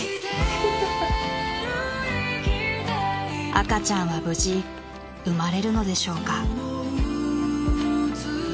［赤ちゃんは無事産まれるのでしょうか］